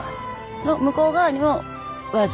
この向こう側にも「輪中」。